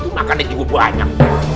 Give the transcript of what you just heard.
makan nih cukup banyak